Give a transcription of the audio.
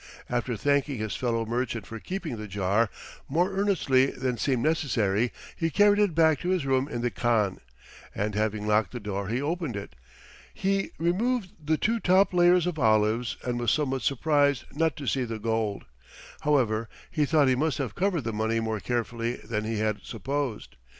After thanking his fellow merchant for keeping the jar, more earnestly than seemed necessary, he carried it back to his room in the khan, and having locked the door he opened it. He removed the two top layers of olives and was somewhat surprised not to see the gold. However, he thought he must have covered the money more carefully than he had supposed.